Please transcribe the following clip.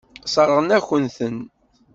Sseṛɣen-akent-ten.